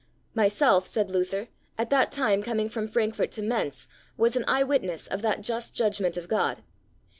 Myself, said Luther, at that time coming from Frankfort to Mentz, was an eye witness of that just judgment of God.